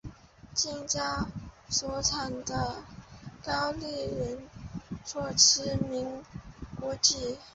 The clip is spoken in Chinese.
近郊所产的高丽人参驰名国际。